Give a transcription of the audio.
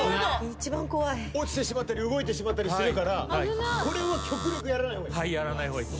落ちてしまったり動いてしまったりするからこれは極力やらない方がいい？